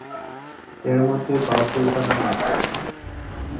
এর মধ্যে বাউফল থানা অন্যতম।